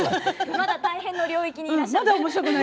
まだ大変の領域にいらっしゃる。